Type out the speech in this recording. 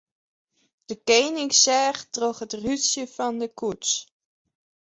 De kening seach troch it rútsje fan de koets.